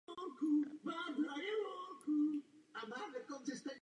August Friedrich Ulrich von Lützow byl významný karlovarský občan.